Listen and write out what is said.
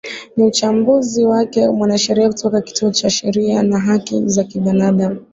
ni uchambuzi wake mwanasheria kutoka kituo cha sheria na haki za binaadamu